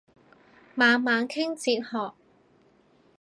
猛猛傾哲學